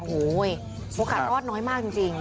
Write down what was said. โอ้โหโอกาสรอดน้อยมากจริง